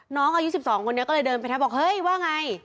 น้องอายุ๑๒คนนี้ก็เลยเดินไปทักบอกเฮ้ยว่าไง